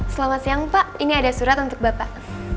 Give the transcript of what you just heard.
selamat siang pak ini ada surat untuk bapak